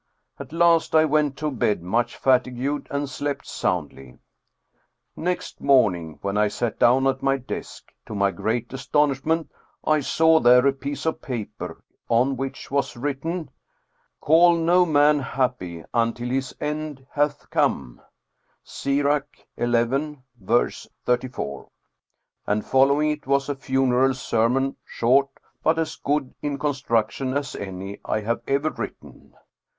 At last I went to bed much fatigued, and slept soundly. Next morning, when I sat down at my desk, to my great astonishment I saw there a piece of paper, on which was written, ( Call no man happy until his end hath come ' (Sirach xi. 34), and fol lowing it was a funeral sermon, short, but as good in construction as any I have ever written.